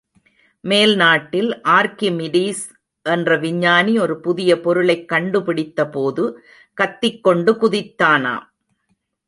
மேல் நாட்டில் ஆர்க்கிமிடீஸ் என்ற விஞ்ஞானி ஒரு புதிய பொருளைக் கண்டுபிடித்தபோது, கத்திக் கொண்டு குதித்தானாம்.